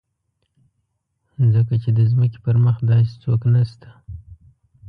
ځکه چې د ځمکې پر مخ داسې څوک نشته.